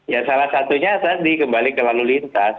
ya salah satunya tadi kembali ke lalu lintas